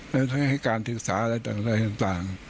และให้การศึกษาอะไรสัก